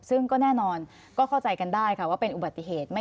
ซึ่งก็แน่นอนก็เข้าใจกันได้ค่ะว่าเป็นอุบัติเหตุ